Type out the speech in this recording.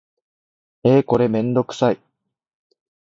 えーこれめんどくさい